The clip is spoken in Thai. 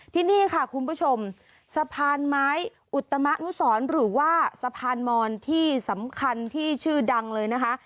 ที่นี่ค่ะคุณผู้ชมสะพานไม้อุตมะนุสรหรือว่าสะพานมอนที่สำคัญที่ชื่อดังเลยนะคะ